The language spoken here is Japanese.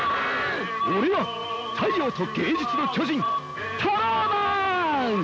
俺は太陽と芸術の巨人タローマン！